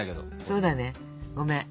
そうだねごめん。